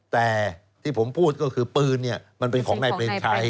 แต่ที่ผมพูดก็คือปืนมันเป็นของนายเปรมชัย